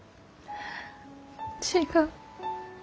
違う。